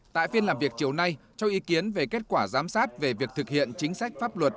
tại phiên làm việc chiều nay cho ý kiến về kết quả giám sát về việc thực hiện chính sách pháp luật